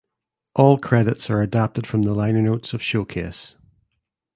All credits are adapted from the liner notes of "Showcase".